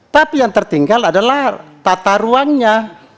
tapi yang tertinggal adalah tata ruangnya